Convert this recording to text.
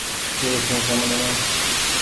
ڪي سون سمجهڻو۔